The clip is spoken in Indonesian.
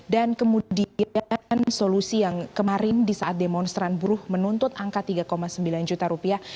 dan kemudian solusi yang kemarin di saat demonstran buruh menuntut angka tiga sembilan juta rupiah